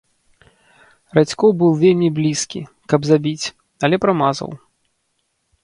Радзькоў быў вельмі блізкі, каб забіць, але прамазаў.